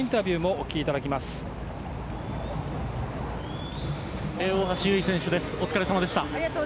お疲れさまでした。